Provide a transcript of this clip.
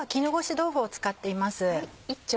豆腐を使っています。